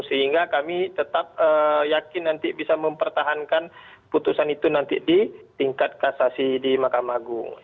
sehingga kami tetap yakin nanti bisa mempertahankan putusan itu nanti di tingkat kasasi di mahkamah agung